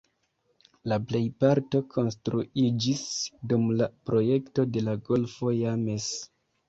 La plejparto konstruiĝis dum la projekto de la golfo James.